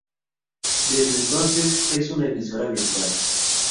Desde entonces es una emisora virtual.